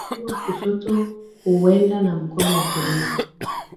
mguu wa kushoto huenda na mkono wa kulia